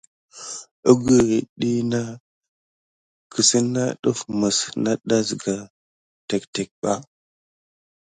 Əgohet ɗiyi kisine na nawuya deglukedi mis aba siga ba.